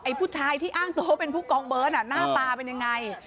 ไอ้ผู้ชายที่อ้างโตเป็นผู้กองเบิร์ดอ่ะหน้าตาเป็นยังไง